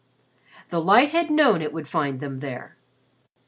The Light had known it would find them there.